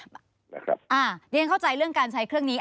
เดี๋ยวฉันเข้าใจเรื่องการใช้เครื่องนี้